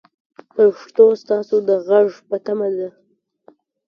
پښتو ستاسو د غږ په تمه ده.